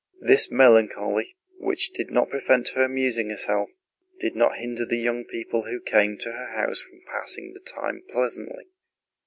This melancholy, which did not prevent her amusing herself, did not hinder the young people who came to her house from passing the time pleasantly.